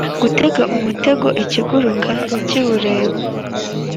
gutega umutego ikiguruka kiwureba,